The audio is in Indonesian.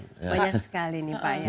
banyak sekali nih pak ya